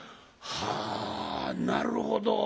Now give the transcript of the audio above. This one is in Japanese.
「はあなるほど」。